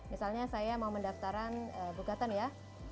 misalnya saya mau mendaftaran gugatan ya